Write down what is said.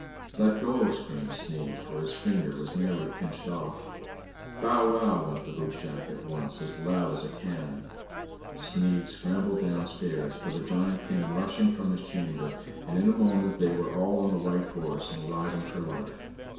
Let go 1 " screamed Sneid, for his finger was nearly pinched off. Bow wow !" went the boot jack at once, as loud as a cannon. Sneid scrambled down stairs, for the giant came rushing from his chamber, and in a moment they were all on the white horse and riding for life.